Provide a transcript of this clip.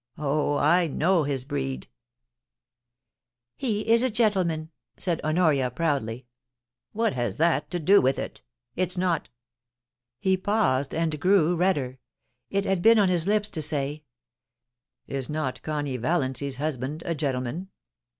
Oh, I know his breed' * He is a gentleman !' said Honoria, proudly. * What has that to do with it ? Is not ' He paused, and grew redder. It had been on his lips to say, * Is not Connie Valiancy's husband a gentleman